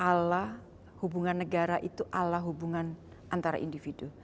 ala hubungan negara itu ala hubungan antara individu